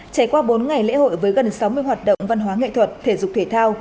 trải qua bốn ngày lễ hội với gần sáu mươi hoạt động văn hóa nghệ thuật thể dục thể thao